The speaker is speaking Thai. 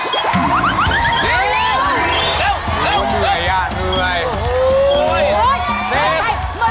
ด้วยเหย่าเดื่อน